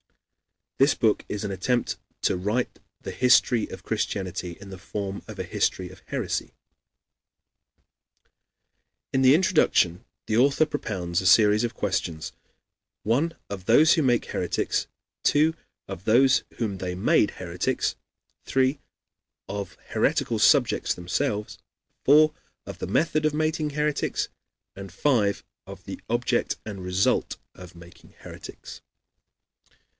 This book is an attempt to write the history of Christianity in the form of a history of heresy. In the introduction the author propounds a series of questions: (1) Of those who make heretics; (2) Of those whom they made heretics; (3) Of heretical subjects themselves; (4) Of the method of making heretics; and (5) Of the object and result of making heretics.